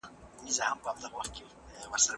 که ښوونې ته پام ونشي پرمختګ دريږي.